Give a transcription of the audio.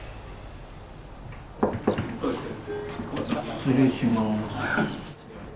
失礼します。